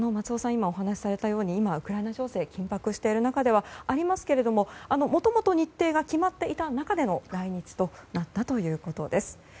今お話しされたように今ウクライナ情勢が緊迫している中ではありますがもともと、日程が決まっていた中での来日となったということです。